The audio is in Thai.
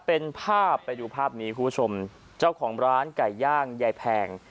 เป็นภาพไปดูภาพนี้คุณผู้ชมเจ้าของร้านไก่ย่างยายแพง